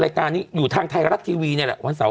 รายการนี้อยู่ทางไทยรัฐทีวีนี่แหละวันเสาร์